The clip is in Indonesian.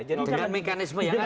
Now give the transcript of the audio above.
dengan mekanisme yang ada